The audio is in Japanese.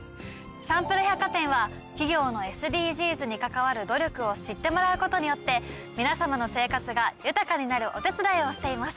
サンプル百貨店は企業のＳＤＧｓに関わる努力を知ってもらうことによって皆さまの生活が豊かになるお手伝いをしています。